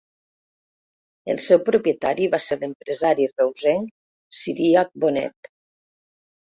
El seu propietari va ser l'empresari reusenc Ciríac Bonet.